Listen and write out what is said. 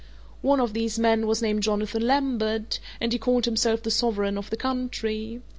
One of these men was named Jonathan Lambert, and he called himself the sovereign of the country.